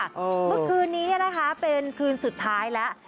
เมื่อคืนนี้เป็นคืนสุดท้ายแล้ว